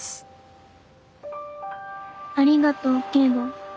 ありがとう京吾。